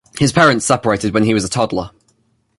His parents separated when he was a toddler.